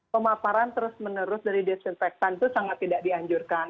pemaparan terus menerus dari desinfektan itu sangat tidak dianjurkan